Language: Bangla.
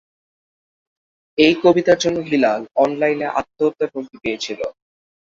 এই কবিতার জন্য হিলাল অনলাইনে হত্যার হুমকি পেয়েছিল।